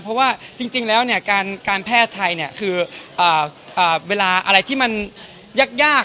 เพราะว่าจริงแล้วการแพทย์ไทยคือเวลาอะไรที่มันยาก